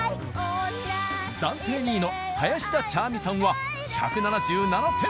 暫定２位の林田茶愛美さんは１７７点。